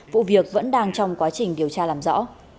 vụ việc vẫn đang trong quá trình điều tra làm rõ